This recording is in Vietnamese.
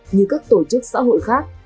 như các tổ chức xã hội khác